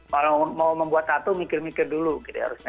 kalau mau membuat satu mikir mikir dulu gitu ya harusnya